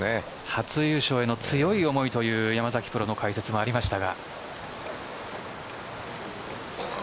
初優勝への強い思いという山崎プロの解説もありました。